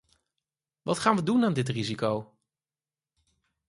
Wat gaan we doen aan dit risico?